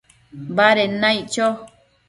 baded naic cho